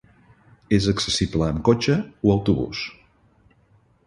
És accessible amb cotxe o autobús.